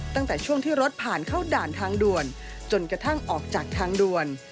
ตั้งแต่ช่วงที่รถผ่านเข้าด่านทางด่วนจนกระทั่งออกจากทางด่วน